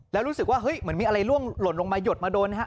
แล้วรู้สึกว่าเฮ้ยเหมือนมีอะไรล่วงหล่นลงมาหยดมาโดนนะฮะ